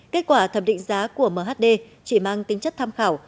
kết quả thẩm định giá của mhd chỉ mang tính chất tham khảo